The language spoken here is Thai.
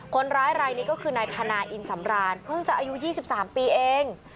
คนร้ายรายนี้ก็คือนายธนาอินสำราญเพิ่งจะอายุ๒๓ปีเอง